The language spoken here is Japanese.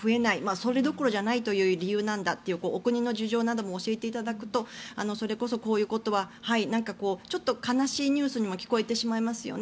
それどころじゃないという理由なんだというお国の事情なども教えていただくとそれこそこういうことはちょっと悲しいニュースにも聞こえてしまいますよね。